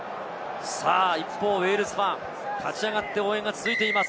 一方、ウェールズファン、立ち上がって応援が続いています。